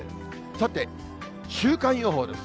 さて、週間予報です。